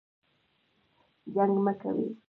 جنګ مه کوئ